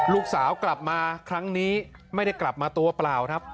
ลูกสาวกลับมาครั้งนี้ไม่ได้กลับมาตัวเปล่าครับ